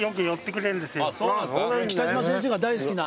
北島先生が大好きな。